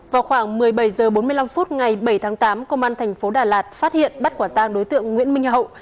vào khoảng một mươi bảy h bốn mươi năm ngày bảy tháng tám công an tp đà lạt phát hiện bắt quản tàng đối tượng nguyễn minh hậu